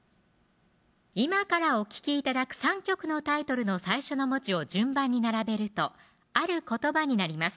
今からお聴き頂く３曲のタイトルの最初の文字を順番に並べるとある言葉になります